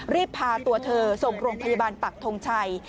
รีบพาตัวเธอส่งโรงพยาบาลปักทงชัย